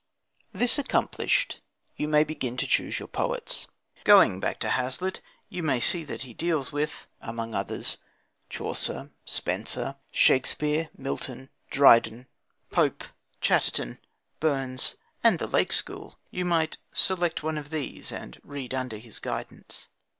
This accomplished, you may begin to choose your poets. Going back to Hazlitt, you will see that he deals with, among others, Chaucer, Spenser, Shakespeare, Milton, Dryden, Pope, Chatterton, Burns, and the Lake School. You might select one of these, and read under his guidance.